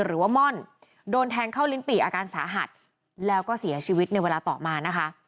หรือว่าม่อนโดนแทงเข้าลิ้นปี่อาการสาหัสแล้วก็เสียชีวิตในเวลาต่อมานะคะ